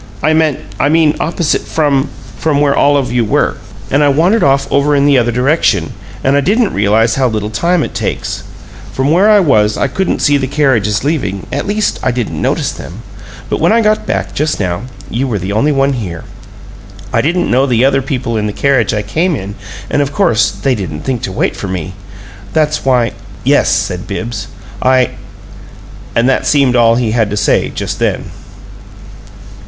"I mean opposite from from where all of you were. And I wandered off over in the other direction; and I didn't realize how little time it takes. From where I was I couldn't see the carriages leaving at least I didn't notice them. So when I got back, just now, you were the only one here. I didn't know the other people in the carriage I came in, and of course they didn't think to wait for me. That's why " "Yes," said Bibbs, "I " And that seemed all he had to say just then.